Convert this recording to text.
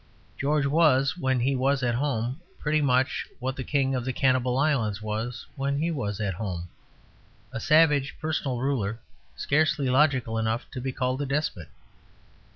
George was when he was at home pretty much what the King of the Cannibal Islands was when he was at home a savage personal ruler scarcely logical enough to be called a despot.